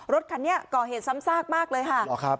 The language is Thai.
รถคันนี้ก่อเหตุซ้ำซากมากเลยค่ะ